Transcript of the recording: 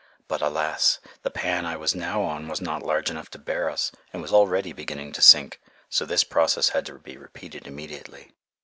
But alas! the pan I was now on was not large enough to bear us and was already beginning to sink, so this process had to be repeated immediately.